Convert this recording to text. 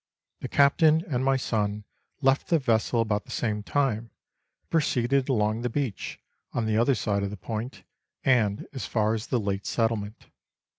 The Captain and my son left the vessel about the same time, and pro ceeded along the beach, on the other side of the point, and as far as the late settlement.